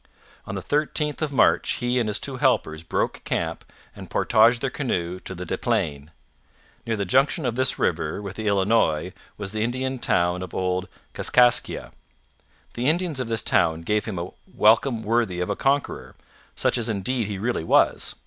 On the 13th of March he and his two helpers broke camp and portaged their canoe to the Des Plaines. Near the junction of this river with the Illinois was the Indian town of Old Kaskaskia. The Indians of this town gave him a welcome worthy of a conqueror, such as indeed he really was.